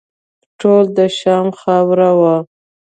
ټول د شام خاوره وه.